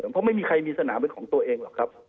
เพราะไม่มีใครมีศาละวิทยาลัยของของตัวเองหรือครับ